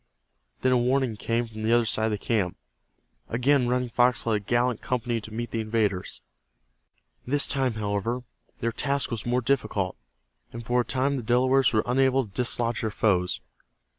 Then a warning came from the other side of the camp. Again Running Fox led a gallant company to meet the invaders. This time, however, their task was more difficult, and for a time the Delawares were unable to dislodge their foes.